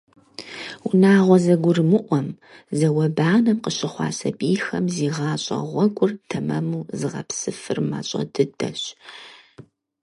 Унагъуэ зэгурымыӏуэм, зауэбанэм къыщыхъуа сабийхэм зи гъащӀэ гъуэгур тэмэму зыгъэпсыфыр мащӏэ дыдэщ.